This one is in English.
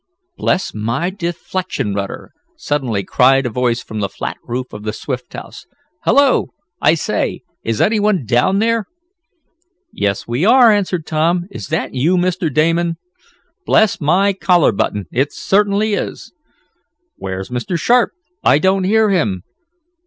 "Bless my deflection rudder!" suddenly cried a voice from the flat roof of the Swift house. "Hello! I say, is anyone down there?" "Yes, we are," answered Tom. "Is that you, Mr. Damon?" "Bless my collar button! It certainly is." "Where's Mr. Sharp? I don't hear him."